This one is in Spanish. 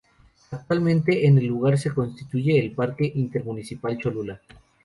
Actualmente en el lugar se construye el Parque Intermunicipal Cholula.